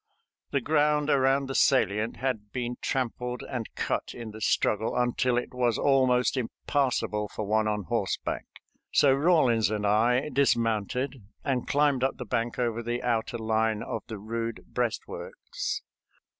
The ground around the salient had been trampled and cut in the struggle until it was almost impassable for one on horseback, so Rawlins and I dismounted and climbed up the bank over the outer line of the rude breastworks.